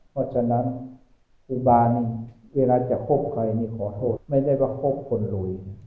เพราะฉะนั้นครูบาลเวลาจะพบใครขอโทษไม่ได้ว่าคบคนหลุย